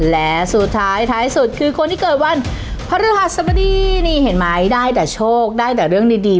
และสุดท้ายท้ายสุดคือคนที่เกิดวันพระฤหัสบดีนี่เห็นไหมได้แต่โชคได้แต่เรื่องดี